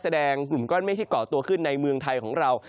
แสดงกลุ่มก้อนเมฆที่เกาะตัวขึ้นในเมืองไทยของเรา